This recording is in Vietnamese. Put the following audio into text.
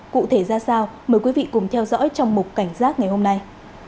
cụ thể ra sao mời quý vị cùng theo dõi trong mục cảnh giác ngày hôm nay